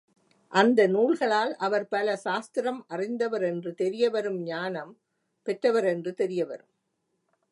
அந்த நூல்களால் அவர் பல சாஸ்திரம் அறிந்தவரென்று தெரியவரும் ஞானம் பெற்றவரென்று தெரியவரும்.